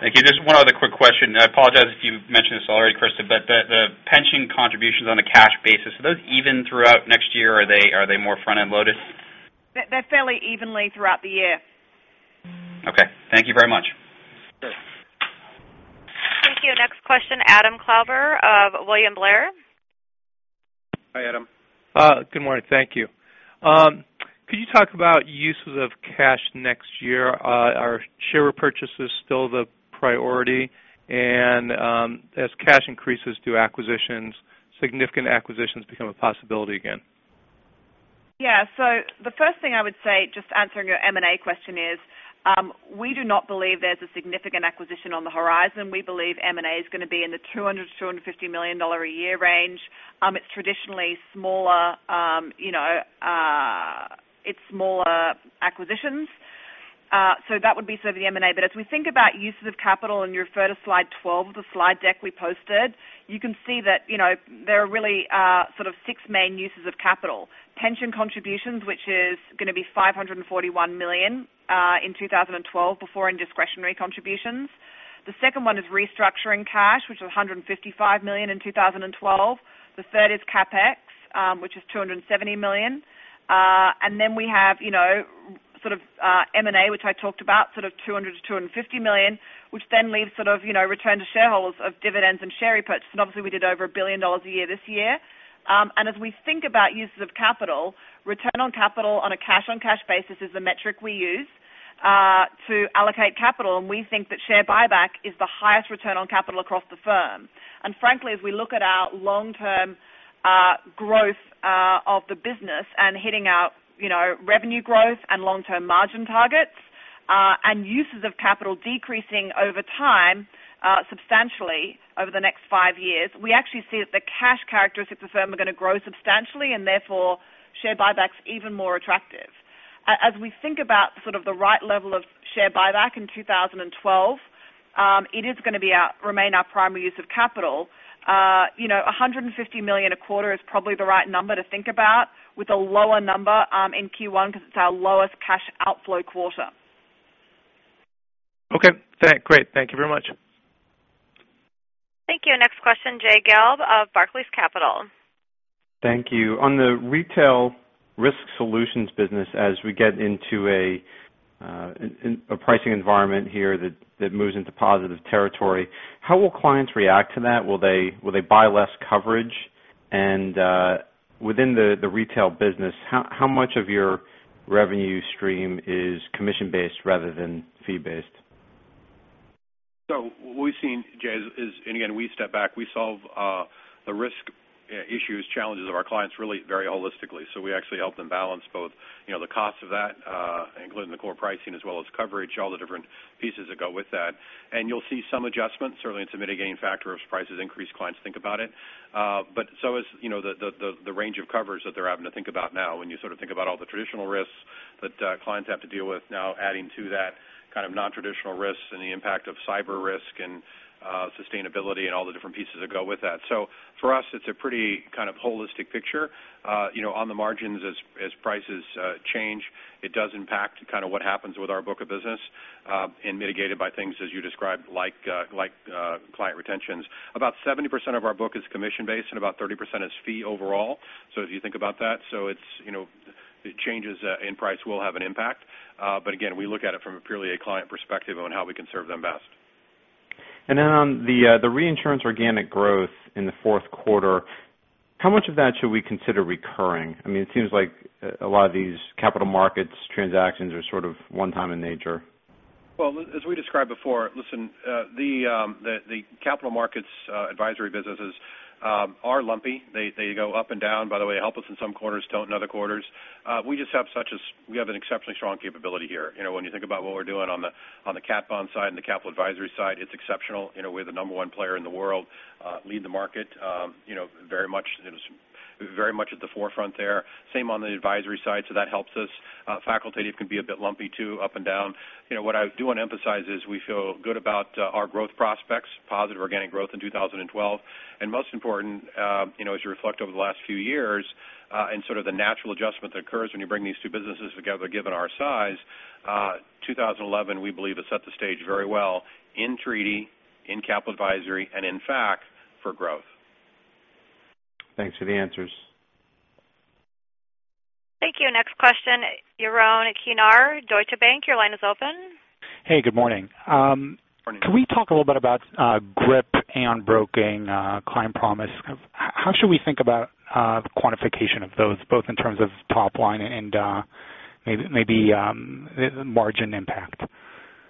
Thank you. Just one other quick question. I apologize if you've mentioned this already, Christa, but the pension contributions on a cash basis, are those even throughout next year, or are they more front-end loaded? They're fairly evenly throughout the year. Okay. Thank you very much. Sure. Thank you. Next question, Adam Klauber of William Blair. Hi, Adam. Good morning. Thank you. Could you talk about uses of cash next year? Are share repurchases still the priority? As cash increases, do significant acquisitions become a possibility again? Yeah. The first thing I would say, just answering your M&A question is, we do not believe there's a significant acquisition on the horizon. We believe M&A is going to be in the $200 million-$250 million a year range. It's traditionally smaller acquisitions. That would be sort of the M&A. As we think about uses of capital, and you refer to slide 12 of the slide deck we posted, you can see that there are really sort of six main uses of capital. Pension contributions, which is going to be $541 million in 2012 before any discretionary contributions. The second one is restructuring cash, which was $155 million in 2012. The third is CapEx, which is $270 million. Then we have M&A, which I talked about, sort of $200 million-$250 million, which then leaves return to shareholders of dividends and share repurchase. Obviously we did over a billion dollars a year this year. As we think about uses of capital, return on capital on a cash-on-cash basis is the metric we use to allocate capital. We think that share buyback is the highest return on capital across the firm. Frankly, as we look at our long-term growth of the business and hitting our revenue growth and long-term margin targets, and uses of capital decreasing over time, substantially over the next five years, we actually see that the cash characteristics of the firm are going to grow substantially, and therefore, share buyback's even more attractive. As we think about the right level of share buyback in 2012, it is going to remain our primary use of capital. $150 million a quarter is probably the right number to think about with a lower number in Q1 because it's our lowest cash outflow quarter. Okay. Great. Thank you very much. Thank you. Next question, Jay Gelb of Barclays Capital. Thank you. On the retail risk solutions business, as we get into a pricing environment here that moves into positive territory, how will clients react to that? Will they buy less coverage? Within the retail business, how much of your revenue stream is commission-based rather than fee-based? What we've seen, Jay, is, we step back, we solve the risk issues, challenges of our clients really very holistically. We actually help them balance both the cost of that including the core pricing as well as coverage, all the different pieces that go with that. You'll see some adjustments certainly it's a mitigating factor as prices increase, clients think about it. So is the range of coverage that they're having to think about now when you think about all the traditional risks that clients have to deal with now adding to that kind of non-traditional risks and the impact of cyber risk and sustainability and all the different pieces that go with that. For us, it's a pretty kind of holistic picture. On the margins as prices change, it does impact kind of what happens with our book of business, and mitigated by things as you described like client retentions. About 70% of our book is commission-based and about 30% is fee overall. If you think about that, changes in price will have an impact. Again, we look at it from a purely a client perspective on how we can serve them best. On the reinsurance organic growth in the fourth quarter, how much of that should we consider recurring? It seems like a lot of these capital markets transactions are sort of one-time in nature. Well, as we described before, listen, the capital markets advisory businesses are lumpy. They go up and down, by the way, help us in some quarters, don't in other quarters. We have an exceptionally strong capability here. When you think about what we're doing on the cat bond side and the capital advisory side, it's exceptional. We're the number one player in the world, lead the market very much at the forefront there. Same on the advisory side, that helps us. Facultative can be a bit lumpy too, up and down. What I do want to emphasize is we feel good about our growth prospects, positive organic growth in 2012. Most important as you reflect over the last few years, sort of the natural adjustment that occurs when you bring these two businesses together, given our size, 2011 we believe has set the stage very well in treaty, in capital advisory and in fact, for growth. Thanks for the answers. Thank you. Next question, Yaron Kinar, Deutsche Bank. Your line is open. Hey, good morning. Morning. Can we talk a little bit about GRIP, Aon Broking, Client Promise? How should we think about quantification of those, both in terms of top line and maybe margin impact?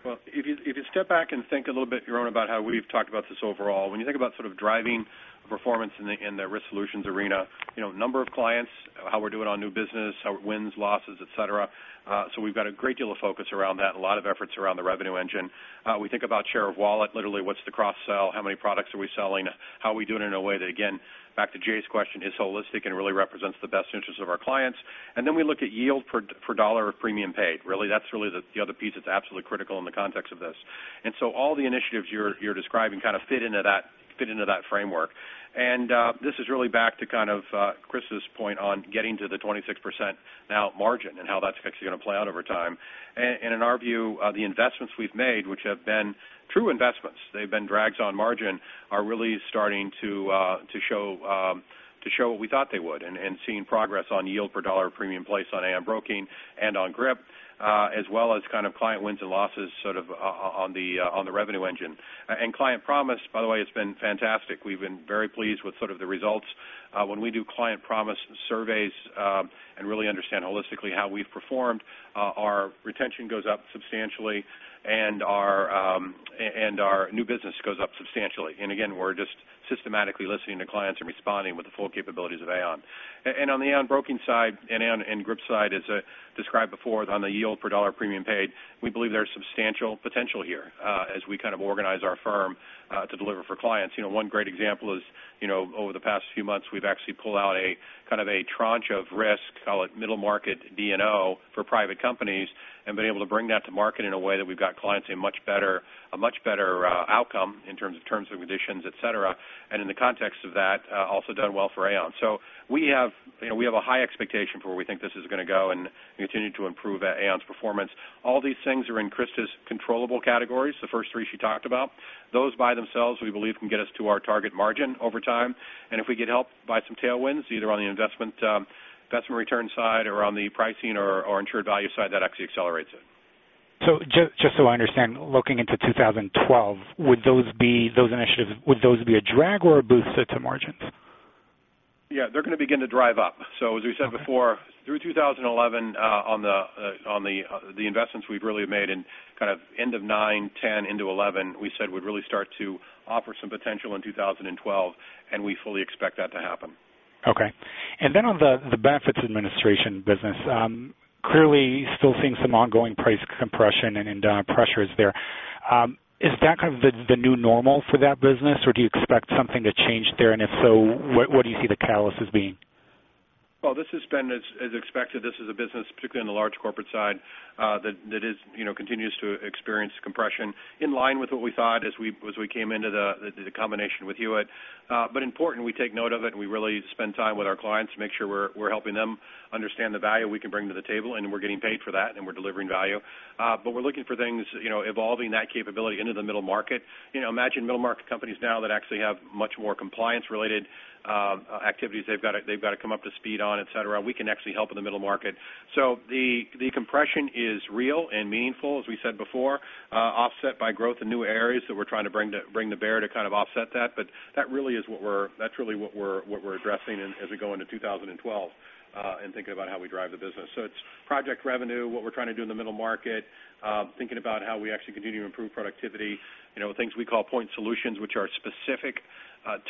Well, if you step back and think a little bit, Yaron, about how we've talked about this overall, when you think about sort of driving performance in the risk solutions arena, number of clients, how we're doing on new business, our wins, losses, et cetera. We've got a great deal of focus around that and a lot of efforts around the revenue engine. We think about share of wallet, literally, what's the cross-sell? How many products are we selling? How are we doing it in a way that, again, back to Jay's question, is holistic and really represents the best interests of our clients? Then we look at yield per dollar of premium paid. Really, that's the other piece that's absolutely critical in the context of this. All the initiatives you're describing kind of fit into that framework. This is really back to kind of Christa's point on getting to the 26% now margin and how that's actually going to play out over time. In our view, the investments we've made, which have been true investments, they've been drags on margin, are really starting to show what we thought they would and seeing progress on yield per dollar of premium placed on Aon Broking and on GRIP, as well as kind of client wins and losses sort of on the revenue engine. Client Promise, by the way, has been fantastic. We've been very pleased with sort of the results. When we do Client Promise surveys and really understand holistically how we've performed, our retention goes up substantially and our new business goes up substantially. Again, we're just systematically listening to clients and responding with the full capabilities of Aon. On the Aon Broking side and GRIP side, as I described before, on the yield per dollar premium paid, we believe there's substantial potential here as we kind of organize our firm to deliver for clients. One great example is over the past few months, we've actually pulled out a kind of a tranche of risk, call it middle market D&O for private companies, and been able to bring that to market in a way that we've got clients a much better outcome in terms of terms and conditions, et cetera. In the context of that, also done well for Aon. We have a high expectation for where we think this is going to go and continue to improve Aon's performance. All these things are in Christa's controllable categories, the first three she talked about. Those by themselves, we believe can get us to our target margin over time. If we get help by some tailwinds, either on the investment return side or on the pricing or insured value side, that actually accelerates it. Just so I understand, looking into 2012, would those initiatives be a drag or a boost to margins? Yeah, they're going to begin to drive up. As we said before, through 2011, on the investments we've really made in kind of end of 2009, 2010 into 2011, we said we'd really start to offer some potential in 2012, and we fully expect that to happen. Okay. Then on the benefits administration business, clearly still seeing some ongoing price compression and pressures there. Is that kind of the new normal for that business, or do you expect something to change there, and if so, what do you see the catalysts as being? This has been as expected. This is a business, particularly on the large corporate side, that continues to experience compression in line with what we thought as we came into the combination with Hewitt. Important, we take note of it, and we really spend time with our clients to make sure we're helping them understand the value we can bring to the table and we're getting paid for that and we're delivering value. We're looking for things, evolving that capability into the middle market. Imagine middle-market companies now that actually have much more compliance-related activities they've got to come up to speed on, et cetera. We can actually help in the middle market. The compression is real and meaningful, as we said before, offset by growth in new areas that we're trying to bring to bear to kind of offset that. That's really what we're addressing as we go into 2012, and thinking about how we drive the business. It's project revenue, what we're trying to do in the middle market, thinking about how we actually continue to improve productivity, things we call point solutions, which are specific,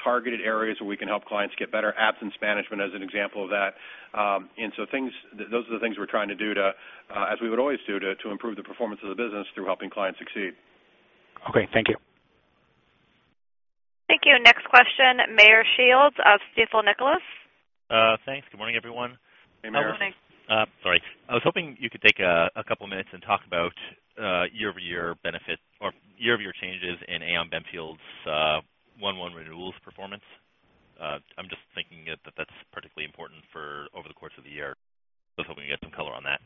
targeted areas where we can help clients get better. Absence management is an example of that. Those are the things we're trying to do, as we would always do, to improve the performance of the business through helping clients succeed. Okay, thank you. Thank you. Next question, Meyer Shields of Stifel Nicolaus. Thanks. Good morning, everyone. Hey, Meyer. Good morning. Sorry. I was hoping you could take a couple of minutes and talk about year-over-year benefit or year-over-year changes in Aon Benfield's 1/1 renewals performance. I'm just thinking that that's particularly important over the course of the year. I was hoping to get some color on that.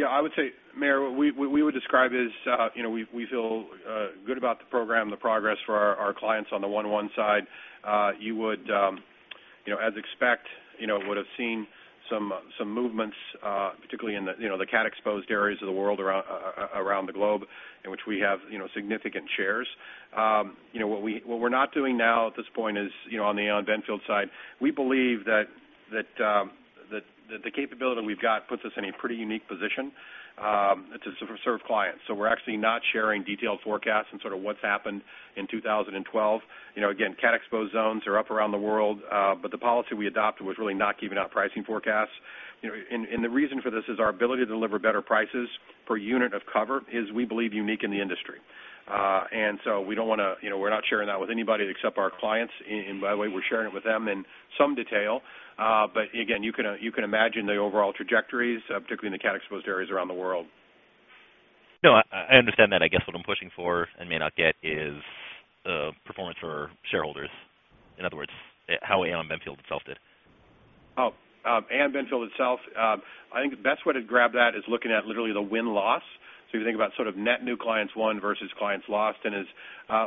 I would say, Meyer, what we would describe is we feel good about the program, the progress for our clients on the 1/1 side. You would, as expect, would've seen some movements, particularly in the cat exposed areas of the world around the globe in which we have significant shares. What we're not doing now at this point is on the Aon Benfield side. We believe that the capability we've got puts us in a pretty unique position to serve clients. We're actually not sharing detailed forecasts and sort of what's happened in 2012. Again, cat exposed zones are up around the world. The policy we adopted was really not giving out pricing forecasts. The reason for this is our ability to deliver better prices per unit of cover is, we believe, unique in the industry. We're not sharing that with anybody except our clients. By the way, we're sharing it with them in some detail. Again, you can imagine the overall trajectories, particularly in the cat exposed areas around the world. I understand that. I guess what I'm pushing for and may not get is performance for shareholders. In other words, how Aon Benfield itself did. Aon Benfield itself. I think the best way to grab that is looking at literally the win-loss. If you think about net new clients won versus clients lost, and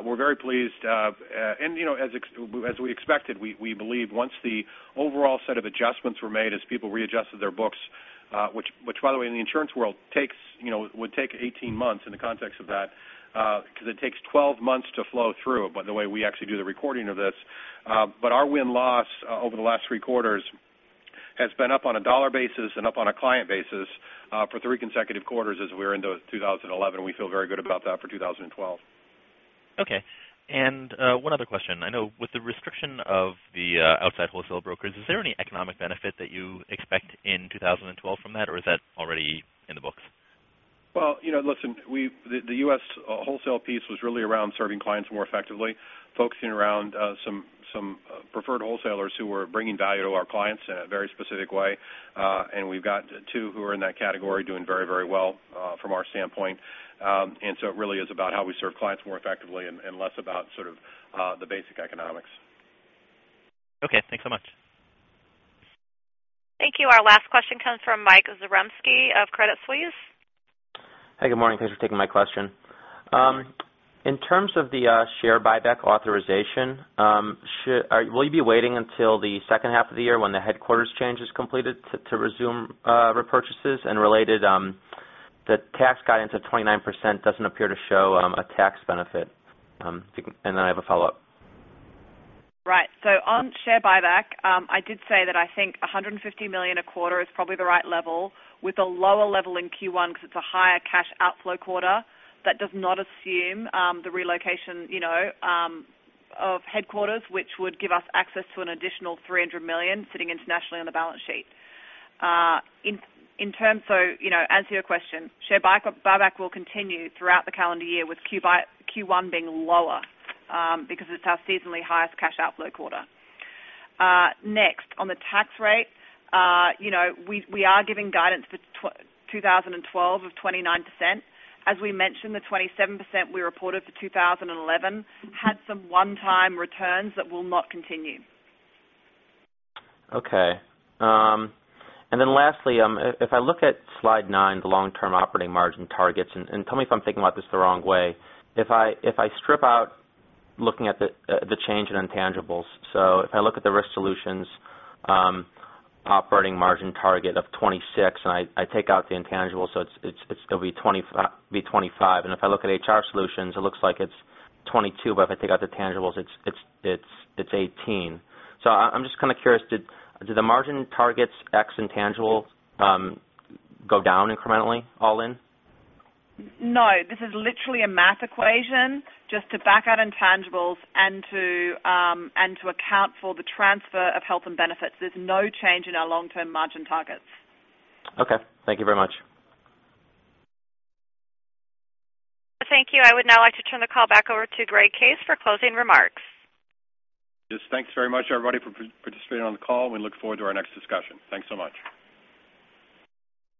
we're very pleased. As we expected, we believe once the overall set of adjustments were made as people readjusted their books, which by the way, in the insurance world would take 18 months in the context of that because it takes 12 months to flow through by the way we actually do the recording of this. Our win-loss over the last three quarters has been up on a dollar basis and up on a client basis for three consecutive quarters as we're into 2011. We feel very good about that for 2012. Okay. One other question. I know with the restriction of the outside wholesale brokers, is there any economic benefit that you expect in 2012 from that, or is that already in the books? Well, listen, the U.S. wholesale piece was really around serving clients more effectively, focusing around some preferred wholesalers who were bringing value to our clients in a very specific way. We've got two who are in that category doing very well from our standpoint. It really is about how we serve clients more effectively and less about sort of the basic economics. Okay. Thanks so much. Thank you. Our last question comes from Michael Zaremski of Credit Suisse. Hi, good morning. Thanks for taking my question. In terms of the share buyback authorization, will you be waiting until the second half of the year when the headquarters change is completed to resume repurchases? Related, the tax guidance of 29% doesn't appear to show a tax benefit. I have a follow-up. Right. On share buyback, I did say that I think $150 million a quarter is probably the right level with a lower level in Q1 because it's a higher cash outflow quarter. That does not assume the relocation of headquarters, which would give us access to an additional $300 million sitting internationally on the balance sheet. In terms of, answer your question, share buyback will continue throughout the calendar year with Q1 being lower because it's our seasonally highest cash outflow quarter. Next, on the tax rate, we are giving guidance for 2012 of 29%. As we mentioned, the 27% we reported for 2011 had some one-time returns that will not continue. Okay. Lastly, if I look at slide nine, the long-term operating margin targets, tell me if I'm thinking about this the wrong way. If I strip out looking at the change in intangibles, if I look at the Risk Solutions operating margin target of 26, I take out the intangibles, it's going to be 25. If I look at HR Solutions, it looks like it's 22, but if I take out the intangibles, it's 18. I'm just kind of curious, do the margin targets ex intangibles go down incrementally all in? No, this is literally a math equation just to back out intangibles and to account for the transfer of health and benefits. There's no change in our long-term margin targets. Okay. Thank you very much. Thank you. I would now like to turn the call back over to Greg Case for closing remarks. Yes, thanks very much, everybody, for participating on the call. We look forward to our next discussion. Thanks so much.